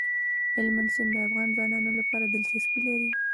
هلمند سیند د افغان ځوانانو لپاره دلچسپي لري.